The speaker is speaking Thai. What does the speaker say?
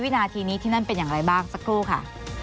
วินาทีนี้อย่างไรบ้างชักกรู้ค่ะ